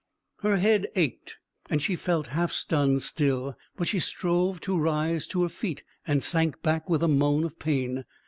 Her head ached, and she felt half stunned still, but she strove to rise to her feet, and sank back with a moan of pain.